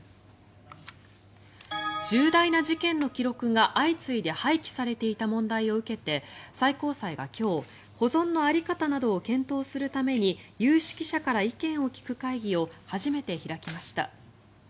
重大な事件の記録が相次いで廃棄されていた問題を受けて最高裁が今日保存の在り方などを検討するために有識者から意見を聞く会議を初めて開きました。